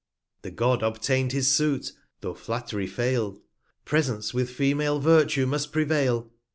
The God obtain'd his Suit, though Flatt'ry fail, Presents with Female Virtue must prevail.